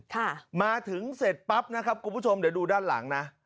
ค่ะมาถึงเสร็จปั๊บนะครับคุณผู้ชมเดี๋ยวดูด้านหลังนะ